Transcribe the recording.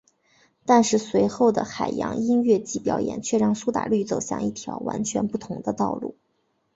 但是随后的海洋音乐季表演却让苏打绿走向一条完全不同的道路。